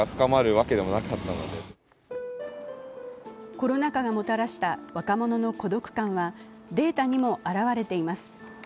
コロナ禍がもたらした若者の孤独感はデータにも表れています。